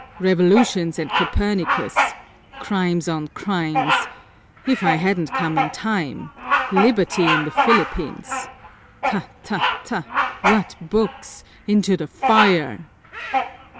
"Revolutions and Copernicus! Crimes on crimes! If I hadn't come in time! Liberty in the Philippines! Ta, ta, ta! What books! Into the fire!"